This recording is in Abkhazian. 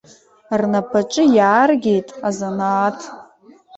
Рнапаҿы иааргеит азанааҭ!